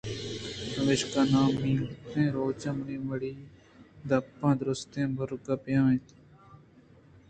پمیشا نامینتگیں روچ ءَ منی ماڑی ءِ دپ ءَ درٛستیں مُرگ بیا اَنت